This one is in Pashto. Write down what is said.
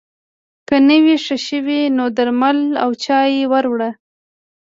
که نه وي ښه شوی نو درمل او چای ور وړه